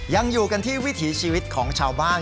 ยังอยู่กันที่วิถีชีวิตของชาวบ้าน